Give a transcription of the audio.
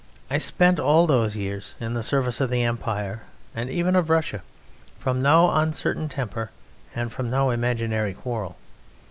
I spent all those years in the service of the Empire (and even of Russia) from no uncertain temper and from no imaginary quarrel.